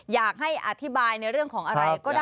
อยากให้อธิบายในเรื่องของอะไรก็ได้